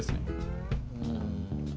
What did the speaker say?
うん。